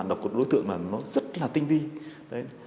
đã được đánh giá